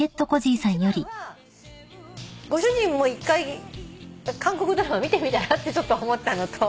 一番はご主人も一回韓国ドラマ見てみたら？ってちょっと思ったのと。